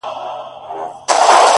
سردونو ویښ نه کړای سو ـ